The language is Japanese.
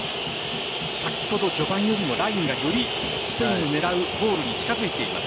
先ほど序盤よりもラインがよりスペインを狙うゴールに近づいています。